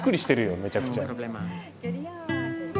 めちゃくちゃ。